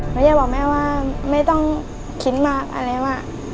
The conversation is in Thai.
มันจะบอกแม่ว่าไม่ต้องคิดมากอะไรวะ